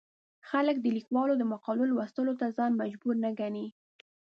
خلک د ليکوالو د مقالو لوستلو ته ځان مجبور نه ګڼي.